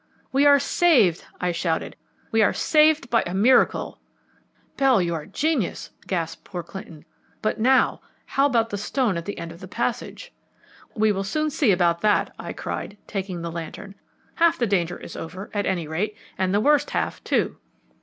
"We are saved," I shouted. "We are saved by a miracle!" "Bell, you are a genius," gasped poor Clinton; "but now, how about the stone at the end of the passage?" "We will soon see about that," I cried, taking the lantern. "Half the danger is over, at any rate; and the worst half, too."